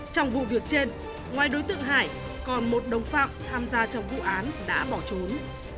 trong vụ việc trên ngoài đối tượng hải còn một đồng phạm tham gia trong vụ án đã bỏ trốn